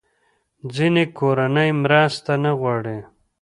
ځینې کورنۍ مرسته نه غواړي.